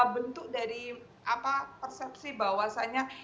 bentuk dari persepsi bahwasanya